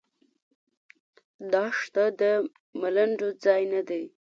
دښته د ملنډو ځای نه دی.